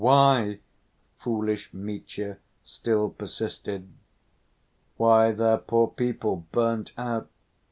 Why?" foolish Mitya still persisted. "Why, they're poor people, burnt out.